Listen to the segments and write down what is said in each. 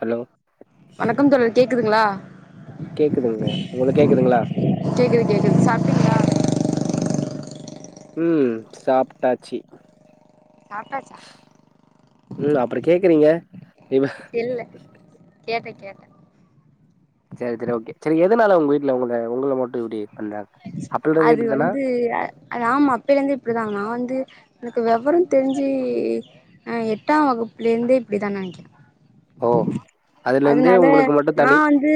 hello வணக்கம் தோழர் கேக்குதுங்ளா கேக்குதுங்கலே உங்களுகேக்குதுங்ளா கேக்குது கேக்குது சாப்டிங்களா ம் சாப்ட்டாச்சி சாப்டாச்சா ம் அப்பற கேக்குறீங்க இவ இல்ல கேட்ட கேட்ட செரி செரி ஒகே செரி எதனால உங்க வீட்ல உங்க உங்கள மட்டு இப்டி பண்றாங்க அப்பலருந்து அது இப்டிதானா வந்து அ அது ஆமாப் பலைந்து இப்டிதா நா வந்து எனக்கு விவரம் தெரிஞ்சி ஆ எட்டாம் வகுப்புலேந்தே இப்டித்தா நெனைக்கிற ஓ அதுலருந்தே அதனால உங்களுக்கு மட்டு நா தனி வந்து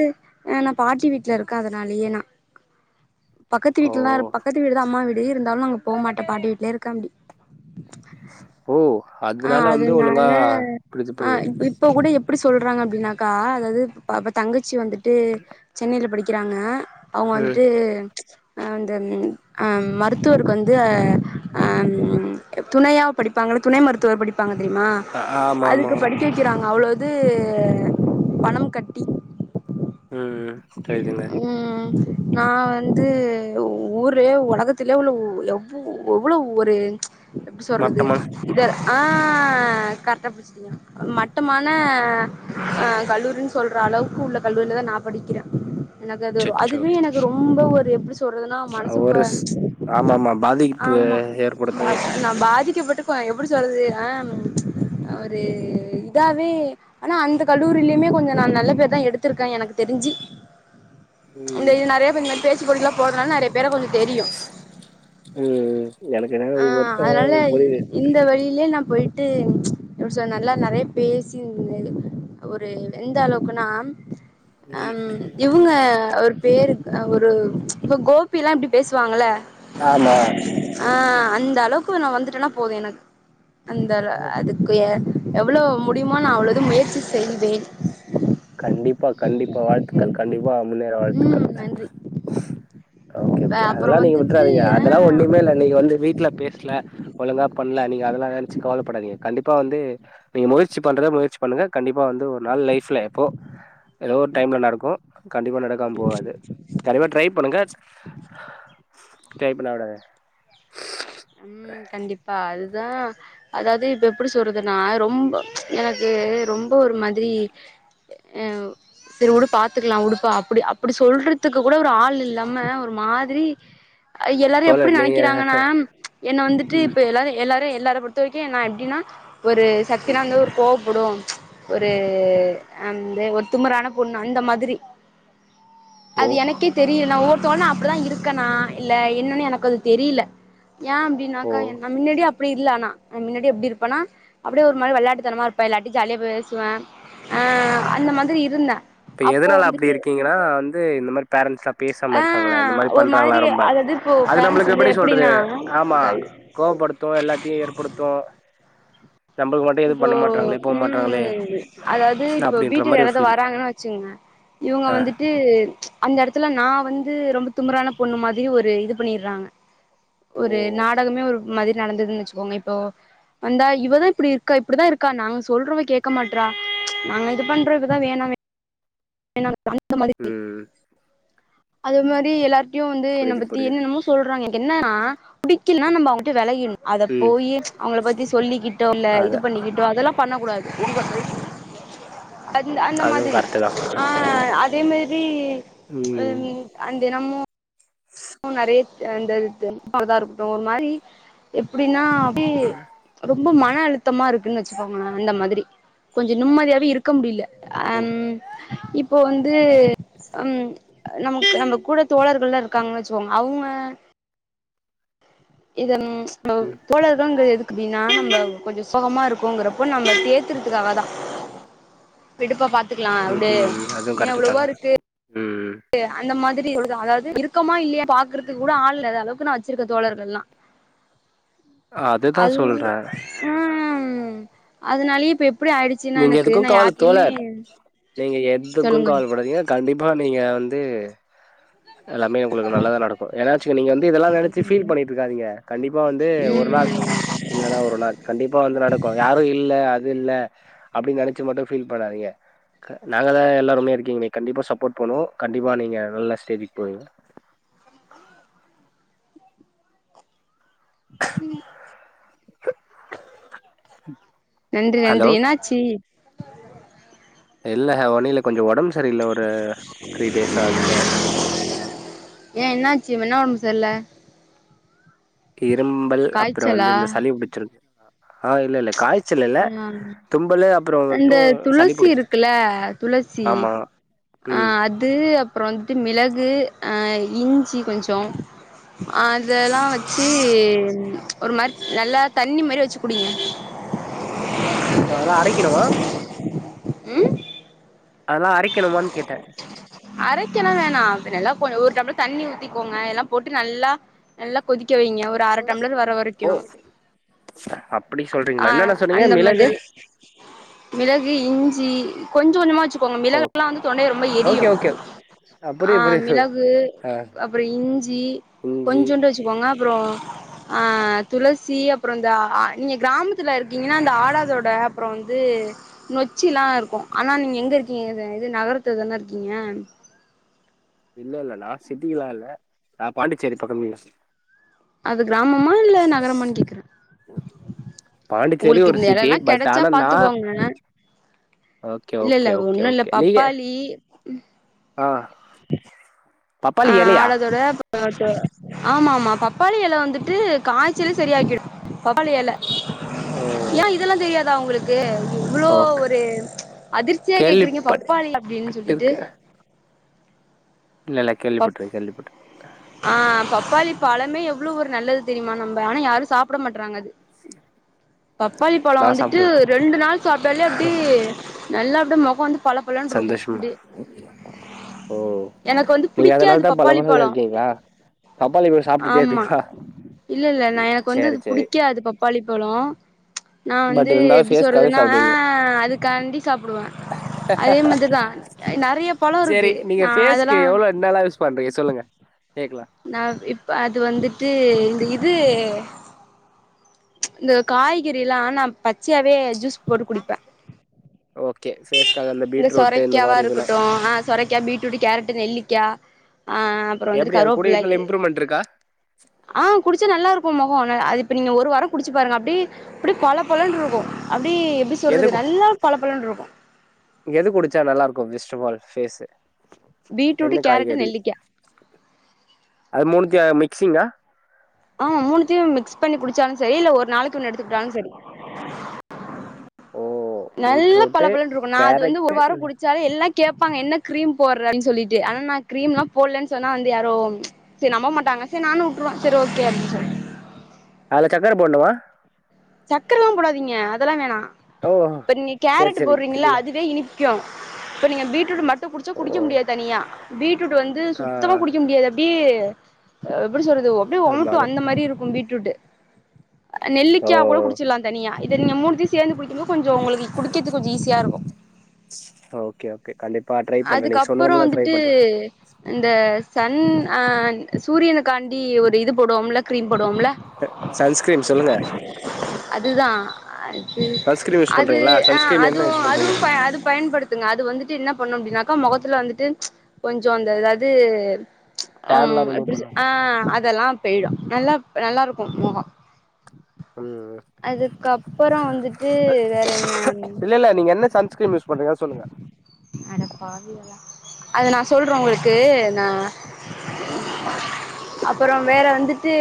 அ நா பாட்டி வீட்லருக்க அதனாலயே நா பக்கத்து ஓ வீட்லருப் பக்கத்து வீடுதான் அம்மா வீடு இருந்தாலு அங்க போமாட்டே பாட்டி வீட்ல இருக்க அப்டி ஓ ஆ அதனால வந்து ஒழுங்கா அதுனால புரிது ஆ புரிது இப்ப கூடப் எப் டி சொல்றாங்க அப்டின்னாக்கா அதாது ப இப்ப தங்கச்சி வந்துட்டு சென்னையில படிக்கிறாங்க அவுங்க ம் வந்துட்டு அ அந்த அம் மருத்துவருக்கு வந்து அ அம் துணையா படிப்பாங்கள துணை மருத்துவர் படிப் பாங்க தெரியுமா ஆமா ஆமா அதுக்கு படிக்க வைக்கிறாங்க அவ்ளோது பணம் கட்டி ம் தெரியுதுங்க ம் நா வந்து ஊரே உலகத்திலே உள்ள உ எவ் எவ்ளோ ஒரு எப்டி சொல்றது மட்டமான இது ஆ கரெட்டா புடிச் மட்டமான அ கல்லூரின் சொல்ற அளவுக்கு உள்ள கல்லூரிலதா நா படிக்றே எனக்கு அதுரு அச்சச்சோ அதுவே எனக்கு ரொம்ப ஒரு எப்டி சொல்றதுனா மனசும்ப ஒரு ஸ் ஆமா ஆமா பாதிப்பு ஆமா ஏற்படுத்துது நா பாதிக்கப்பட்டுக்கோ எப்டி சொல்றது அம் ஒரு இதாவே ஆனா அந்த கல்லூரிலியுமே கொஞ்ச நா நல்ல பேர்தா எடுத்திருக்கே எனக்கு தெரிஞ்சி இந்த ம் இது நெறைய பேர் இந்த மேரி பேச்சுபோட்டிகிலாப் போறதனால நெறையப் பேர கொஞ்ச தெரியு ம் எனக்கென்னனா ஆ ஒவ்வொருத்த அதனால [unintelligible] இந்த வழியிலே நாம் போயிட்டு எப்டி சொ நல்லா நெறையப் பேசியிந்தே ஒரு எந்த அளவுக்குனா ம் இவுங்க ஒரு பேரு ஒரு இப்ப கோபிலா எப்டி பேசுவாங்கள ஆமா ஆ அந்தளவுக் கு நா வந்துட்டனா போது எனக்கு அந்தள ஓ அதுக் குய எவ்ளோ முடியுமோ நா அவ்ளோ இது முயற்சி செய்வேன் கண்டிப்பா கண்டிப்பா வாழ்த்துக்கள் கண்டிப்பா முன்னேற வாழ்த்துக்கள் ம் நன்றி ஓகே ஓகே அப்புறோ அதெல்லா நீங்க வந்துட்டு விட்றாதீங்க அதெல்லா ஒன்னுமே இல்ல நீங்க வந்து வீட்லப் பேச்ல ஒழுங்காப் பண்ல நீங்க அதெல்லா நெனச்சு கவலப்படாதீங்க கண்டிப்பா வந்து நீங்க முயற்சி பண்றத முயற்சி பண்ணுங்க கண்டிப்பா வந்து ஒரு நாள் லைஃப்லே போ எதோ ஒரு டைம்ல நடக்கு கண்டிப்பா நடக்காம போவாது ஆ கண்டிப்பா ட்ரைப் பண்ணுங்க ட்ரை பண்ணவிட ம் கண்டிப்பா அதுதா அதாது இப்ப எப்டி சொல்றதுனா ரொம்ப எனக்கு ரொம்ப ஒரு மாதிரி அ செரு வுடு பாத்துக்லா வுடுப்பா அப்டி அப்டி சொல்றதுக்கு கூட ஒரு ஆள் இல்லாம ஒரு மாதிரி எல்லாரு எப்டி தோழர் நீங்க நெனைக்கிறாங்கனா என்ன வந்துட்டு ம் இப்ப எல்லாரு எல்லாரு எல்லார பொறுத்த வரைக்கு நா எப்டினா ஒரு ம் சக்தினா வந்து ஒரு கோவப்படு ஒரு ம் அந்த ஒரு திமிரான பொண்ணு அந்த மாதிரி ஓ அது எனக்கேத் தெரியில் நா ஒவ்வொருத்தவங்கள் நா அப்டிதா இருக்கனா இல்ல என்னனு எனக்கு அது தெரியில ஏ அப்டினாக்க ஓ என் நா மின்னாடியே அப் அப்டி இல்ல ஆனா மின்னடி எப்டி இருப்பனா அப்டியே ஒரு மாரி வெளையாட்டுத்தனமா இருப்பே இல்லாட்டி ஜாலியா பேசுவே அ அந்த மாதிரி இருந்தே இப்ப எதனால அப்டி இருக்கீங்கனா வந்து இந்த மாரி பேரன்ட்ஸ்சப் பேசாம ஆ இருக்காங்ள இந்த மாரி ஒரு பண்றாங்ளா மாதிரி ரொம்ப அதாவது இப்போ அது பேரண்ட்ஸ் நம்ளுக்கு வந்து எப்டி சொல்றது எப்படின்னா ஆமா கோவப்படுத்து எல்லாத்தையு ஏற்படுத்து நம்மளுக்கு மட்டு எதுவு இப்போ பண்ண மாட்றாங்களே போ மாட்றாங்களே ம் அதாவ்து இப்போ அப்டின்ற வீட்டுக்கு மாரி ஒரு யாராவது ஃபீல் வராங்கனு வச் சிங்க இவுங்க ஆ வந்துட் ட்டு அந்த எடத்துல நா வந்து ரொம்பத் திமுறானப் பொண்ணு மாதிரி ஒரு இது பண்ணிர்றாங்க ஒரு ஓ நாடகமே ஒரு மாதிரி நடந்ததுன் வெச்சுகோங்க இப்போ வந்தா இவதா இப்டிருக் க்கா இப்டிதா இருக்கா நாங்க சொல்றத கேட்க மாட்றா நாங்க இதுப் பண்றதுதா வேணா வே ணான் அந்த மாதிரி ம் அது மாரி எல்லார்ட்டியு வந்து என்ன புரியுது பத்தி புரியுது என்னென்னமோச் சொல்றாங்க எனக்கு என்னனா பிடிக்கில்னா நம்ம அவுங்கிட்ட வெளகிட்ணு அதப் ம் போயி அவுங்களப் பத்தி சொல்லிகிட்டோ இல்ல அத இதுப் பண்ணிகிட்டோ அதெல்லாப் பண்ணகூடாது அந்த அந்த அதுவு மாதிரி கரெக்ட்டு தா ஆ அதே மேரி ம் அ தினமு நெறையத் அந்த இதுத் [inaudible] இருக்கட்டு ஒரு மாரி எப்டின்னா ரொம்ப மன அழுத்தமா இருக்குன் வச்சுக்கோங்ளே அந்த மாதிரி கொஞ்சோ நிம்மதியாவே இருக் க்க முடில ஓ அம் இப்போ வந்து ம் நமக் நம்ம கூட தோழர்கள்லா இருக்காங்கனு வச்சுக்கோங்க அவுங்க இத ம் [inaudible] தோழர்தாங்க எது க்கு பின்னா நம்ம கொஞ்சோ சோகமா இருக்கோங்றப்போ நம்மள தேத்தறதுக்காக தா விடுப்பா பாத்துக்கலா ம் விடு ம் அதுவு இன்னு கரெக்ட்டு எவ்ளவோ தாங்க இருக்கு ம் டு அந்த மாதிரி சொல்லுதா அதாவது இருக்கமா இல்லையா பாக்குறதுக்கு கூட ஆள் இல்லாத அளவுக்கு நா வச்சிருக்க தோழர்கள்லா அதுதா அது சொல்றே ம் அதனாலயே இப்ப எப்டி ஆயிடு ச்சின்னா எனக்கு நா யார் இன்மே நீங்க எதுக்கு கவல படாதீங்க கண்டிப்பா நீங்க வந்து எல்லாமே உங்ளுக்கு நல்லதா நடக்கு ஏனாச்சு நீங்க வந்து இதெல்லா நெனைச்சு ஃபீல் பண்ணிட்டு இருக்காதீங்க கண்டிப்பா வந்து ஒரு நாள் ம் இல்லனா ஒரு நாள் கண்டிப்பா வந்து நடக்கு யாரு இல்ல அது இல்ல அப்டி நெனச்சு மட்டு ஃபீல் பண்ணாதிங்க நாங்க தா எல்லாருமே இருக்கீங்ளே கண்டிப்பா சப்போர்ட் பண்ணுவோ கண்டிப்பா நீங்க நல்ல ஸ்டேஜுக்கு போவீங்க ம் நன்றி ஹலோ நன்றி என்னாச்சு இல்ல ஒன்னுல்ல கொஞ்சோ ஒடம்பு சரியில்ல ஒரு த்ரீ டேஸ் ஆச்சு ஏ என்னாச்சு என்னா ஒடம்பு சரில்ல இரும்பல் அப்றோ காய்ச்சலா வந்து இந்த சளி புடிச்சிருக்கு ஆ இல்ல இல்ல காய்ச்சல் இல்ல ஆ தும்பலு அப்றோ இந்த மட்டு சளி துளசி புடிச்சிருக்கு இருக்குல்ல துளசி ஆமா ஆ ம் அது அப்றோ வந்துட்டு மிளகு ஆ இஞ்சி கொஞ்சோ அ அதெல்லா வச்சு ஒரு மாரி நல்லா தண்ணி மாரி வச்சு குடிங்க ப்ப அதெல்லா அரைக்கணுமா ம் அதெல்லா அரைக்கணுமான் கேட்டே அரைக்கல்லா வேணா பின்ன எல்லா ஒரு டம்ளர் தண்ணி ஊத்திக்கோங்க எல்லாம் போட்டு நல்லா நல்லா கொதிக்க வைங்க ஒ ரு அர டம்ளர் வர வரைக்கு ஓ அப்டி ஆ சொல்றீங்களா என்னென்ன சொன்னீங்க அந்த மிளகு மாதிரி மிளகு இஞ்சி கொஞ்சோ கொஞ்சமா வச்சுக்கோங்க மிளகு எல்லா ஓகே வந்து தொண்டைய ரொம்ப எரியு ஓகே ஓகே அ ஆ புரியுது புரியுது மிளகு ஆ அப்றோ இஞ்சி இஞ்சி கொஞ்சூண் டு வச்சுக்கோங்க அப்றோ ஆ துளசி அப்றோ இந்த அ நீங்க கிராமத்துல இருக்கீங்கனா அந்த ஆடாதொட அப்றோ வந்து நொச்சில்லா இருக்கு ஆனா நீங்க எங்க இருக்கீங்க இது இது நகரத்துலதானா இருக்கீங்க இல்ல இல்ல நா சிட்டிலா இல்ல நா பாண்டிச்சேரி பக்கம் [unintelligible] அது கிராமமா இல்ல நகரமானு கேக்றே பாண்டிச்சேரி உங்களுக்கு ஒரு இந்த எல சிட்டி எல்லா பட் கெடச்சா ஆனா நா பாத்துக்கோங்க ஓகே இல்ல இல்ல ஓகே ஓகே ஒன்னுல்ல ஓகே நீங்க பப்பாளி ஆ பப்பாளி ஆ எலையா ஆடாதொட ஆமாமா பப்பாளி எல வந்துட்டு காய்ச்சல சரியாக்கிடு பப்பாளி எல ஓ ஏ இதெல்லா தெரியாதா உங்ளு க்கு இவ்ளோ ஓகே ஒரு அதிர்ச்சியா கேக்குறீங்க கேள்விப்பட்டுருக்கே பப்பாளி அப்டின் சொல்லிட்டு இல்ல இல்ல பப் கேள்விப்பட்ரு கேள்விப்பட்ரு ஆ பப்பாளி பழமே எவ்ளோ ஒரு நல்லது தெரியுமா நம்ப ஆனா யாரு சாப்ட மாட்றாங்க அது பப்பாளி பழம் நா வந்துட்டு சாப்டுவே ரெண்டு நாள் சாப்ட்டாலே அப்டி நல்லா அப்டே மொகோ வந்து பழ பழன் ருக்கு சந்தோஷமா ப்டே ஓ எனக்கு வந்துப் நீங்க அதனால புடிக்காது தா பப்பாளி பளபளன்னு பழோ இருக்கீங்களா பப்பாளி பழோ சாப்ட்டுட்டே ஆமா இருப்பீங்களா இல்லல்ல நா எனக் சேரி வந்துது சேரி புடிக்கா அது பப்பாளி பழோ நா பட் வந்து இருந்தாலு எப்டி ஃபேஸ்காக சொறுதுன்னா ஆ அதுக்காண்டி சாப்புடுவே அதே மாத்திதான் சாப்டுவீங்க நெறைய பழோ இருக்கு ந அதெல்லான் இந்தால்லா யூஷ் பண்றீங்க சொல்லுங்க கேக்லா நா இப் அது வந்துட்டு இந்து இது இந்த காய்கறிலா நாம் பச்சயாவே ஜூஸ் போட்டு குடிப்பே ஓகே ஃபேஸ் இந்த சொரைக்காவா இருக்கட்டு ஆ சொரைக்கா பீட்ரூட்டு கேரட்டு நெல்லிக்கா ஆஆ அம் ப்றோ வந்துட்டு எப்டி அது கூட கரோப்ள இதுல எ இம்ப்ரூவ்மெண்ட் இருக்கா ஆ குடிச்சா நல்லாருக்கு மொகோ ந அது இப்ப நீங்க ஒரு வாரோ குடிச்சி பாருங்க அப்டே அப்டே பளப் பளன் ருக்கு அப்டி எப்டி எது சொல்றது கு நல்லா பளபளன் ருக்கு எது குடிச்சா நல்லார்க்கு first of all phase beetroot என்ன கேரட்டு காய்கறி நெல்லிக்கா அது மூண்த்திய மிக்சிங்கா ஆமா மூணுத்யு மிக்ஸ் பண்ணி குடிச்சாலு சரி இல்ல ஒர் நாளைக்கு ஒன் எடுத்துக்ட்டாலு சரி ஓ நல்ல பீட்ரூட்டு பளபளன் ருக்கு நா அது வந்து ஒரு கேரட்டு வாரோ குடிச் ச்சாலே எல்லா கேப்பாங்க என்ன க்ரீம் போர்றன் சொல்லிட்டி ஆனா நா க்ரீம்லா போலன் சொன்னா வந்து யாரும் சே நம்பமாட்டாங்க செ நானு உட்ருவ செர் ஓகே அப்டி சொல் அல சக்கர போட்னுமா சக்கர லா போடாதீங்க அதல்லா வேணா ஓ ப்ப நீ சேரி கேரட்டு சேரி போட்றீங்கில தெர்ல அதுவே இனிப் க்யு இப்ப நீங்க பீட்ரூட்டு மட்டு குடிச்சா ஓ குடிக்க முடியாத் தனியா பீட்ரூட்டு வந்து ஆ சுத்தமா குடிக்க முடியாதெப் பியே அ எப்டி சொல்றது ஒ அப்ட்யே அது ஒமட்டு மாதிரி அந்த மாரி இருக்கு பீட்ரூட்டு ஓ நெல்லிக்யா கூட குடிச்சிட்லா தனியா இதன்யு மூணுத்தியு சேந்து குடிக்கும்போ கொஞ்சோ உங்ளுக்கி குடிக்கத்துக் கொஞ்சு ஈஸியா இருக்கு ஓகே ஓகே கண்டிப்பா ட்ரை பண்றேனி அதுக்கப்புறோ சொன்னதுல்லா ட்ரை வந்துட்டு பண்றே இந்த சன் ஆன் சூரியனுக்காண்டி ஒரு இது போடுவோம்ல க்ரீம் போடுவோம்ல சன்ஸ்கிரீம் சொல்லுங்க அதுதா அது சன்ஸ்கிரீம் யூஸ் அது பண்றீங்களா ஆ சன்ஸ்கிரீம் என்ன அதுவு யூஸ் அதுவும் பண்றீங்க ப அது பயன்படுத்துங்க அது வந்துட்டு என்னப் பண்ணு அப்டினாக்கா மொகத்துல வந்துட்டு கொஞ்சோ அந்த அதாவ்து டேன்லா அம் ரிமூவ் எப்டி சொ பண்ணு ஆ அதெல்லா பெய்டு நல்லாப் நல்லாருக்கு மொகோ ம் அதுக்கப்பறோ வந்துட்டு வேற என்ன இல்லல்ல நீங்க என்ன சன்ஸ்கிரீம் யூஸ் பண்றீங்க சொல்லுங்க அடப்பாவிகளா அத நா சொல்றோ உங்களுக்கு நா அப்பறோம் வேற வந்துட்டு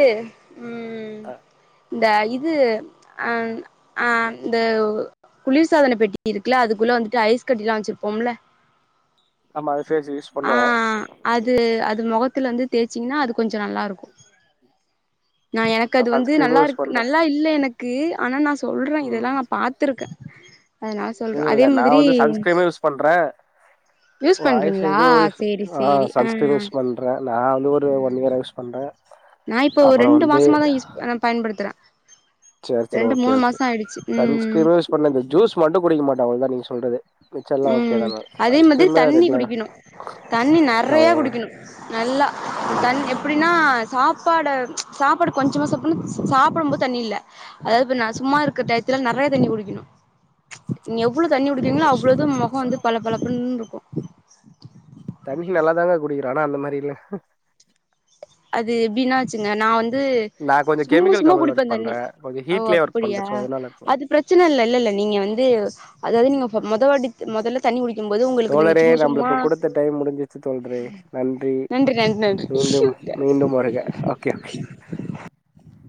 ம் அ ந்த இது அன் ஆ ந்தோ ஓஓ குளிர்சாதன பெட்டி இருக்குல அதுக்குள்ள வந்துட்டு ஐஸ் கட்டிலா வச்சிருப்போம்ல ஆமா அது ஃபேஸு யூஸ் ஆ பண்ணுவே அது அது மொகத்துல வந்து தேச்சீங்கின்னா அது கொஞ்சோ நல்லாருக்கு நா எனக் அது வந்து சன்ஸ்கிரீமு யூஸ் நல்லாருக்கு பண்றே நல்லா இல்லே எனக்கு ஆனா நாஸ் சொல்றேன் ம் இதெல்லாம் நா பாத்ருக்கேன் அதனால இல்ல சொல்றேன் அதே இல்ல நா மாதிரி வந்து பண்றே யூஸ் ஓ ஐஸ் பண்றீங்களா இது ஒ சேரி ஆ சேரி சன்ஸ்கிரீன் யூஸ் பண்றேன் நா வந்து ஒரு ஒன் இயரா யூஸ் பண்றே நா இப்ப ஒரு அப்புறோ ரெண்டு வந்து மாசமாதா யூஸ் பயன்படுத்துறேன் சேரி ரெண்டு மூணு மாசம் ஆயிடுச்சி ம் பன்ன இந்த ஜூஸ் மட்டும் குடிக்க மாட்டேன் அவ்ள தா நீங்க சொல்றது மிச்செல்லா ஓகே ம் தா நா அதே மாதிரி சன்ஸ்கிரீமே தண்ணி ரெகுலரா குடிக்கணும் தண்ணி நா நெறைய ஓ குடிக்கணும் நல்லா ம் தண்ணி எப்படின்னா சாப் பாட சாப்பாடு கொஞ்சமா சாப்பனும் சாப்டும்போது தண்ணி இல்ல அதாது இப்ப நா சும்மா இருக்கற டயத்துல நறைய தண்ணி குடிக்கணும் நீங்க எவ்ளோ தண்ணி ஓ குடிக்கீங்களோ ஷிட் அவ்ளோது மொகம் வந்து பளபளப்புன் இருக்கும் தண்ணி நல்லாதாங்க குடிக்கிறோ ஆனா அந்த மாரி இல்ல அது எப்டின்னா வச்சுங்க நா வந்து நா கொஞ்சோ சும்மா கெமிக்கல் சும்மா கம்பெனில ஒர்க் குடிப்பேன் தண்ணி பண்றே கொஞ்சோ ஓ ஹீட்லயே ஒர்க் பண்றே அப்புடியா சோ அதனால இருக்கலா அது பிரச்சனல்ல இல்ல இல்ல நீங்க வந்து அதாது நீங்க மொத வாட்டி மொதல்ல தண்ணி குடிக்கும்போது உங்களுக்கு நீங்க தோழரே சும்மா சும்மா நம்மளுக்கு குடுத்த டைம் முடிஞ்சிச்சு தோழ்ரே நன்றி நன்றி மீண்டும் நன்றி மீண்டும் வருக ஓகே ஓகே